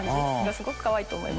すごくかわいいと思います。